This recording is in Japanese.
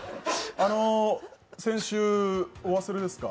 あの、先週、お忘れですか？